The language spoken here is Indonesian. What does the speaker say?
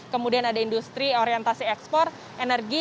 kemudian ada industri orientasi ekspor energi